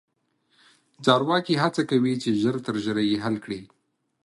چارواکي هڅه کوي چې ژر تر ژره یې حل کړي.